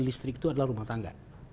listrik itu adalah rumah tangga